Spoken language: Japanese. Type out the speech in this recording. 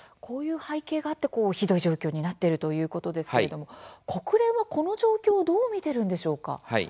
こういう背景があってひどい状況になっているということですが、国連はこの状況どう見ているんでしょうか。